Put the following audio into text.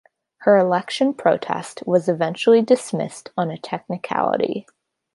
Her election protest was eventually dismissed on a technicality.